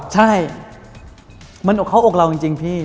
ใช่มันอกเข้าอกเราจริงพี่